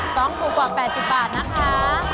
ต้องถูกกว่า๘๐บาทนะคะ